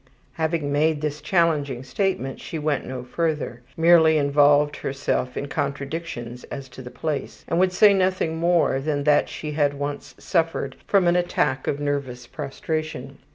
'' Having made this challenging statement she went no further, merely involved herself in contradictions as to the place, and would say nothing more than that she had once suffered from an attack of nervous prostration.